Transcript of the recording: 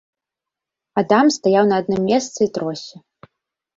Адам стаяў на адным месцы і тросся.